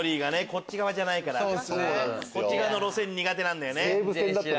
こっち側の路線苦手なんだよね。